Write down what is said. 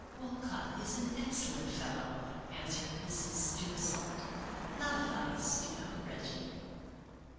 " Walcott is an excellent fellow," answered Mrs. Steuvi sant; " not a vice, you know, Reggie."